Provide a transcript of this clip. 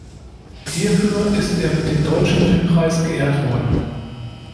Hierfür ist er mit dem Deutschen Filmpreis geehrt worden.